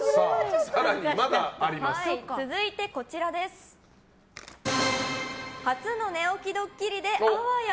続いて初の寝起きドッキリであわや。